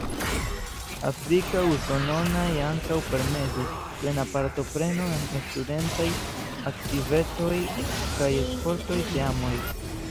Afrika usonanoj ankaŭ permesis plena partopreno en studentaj aktivecoj kaj sportoj teamoj.